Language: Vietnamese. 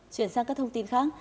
chuyển sang các thông tin khác